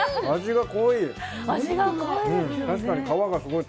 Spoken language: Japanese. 味が濃い。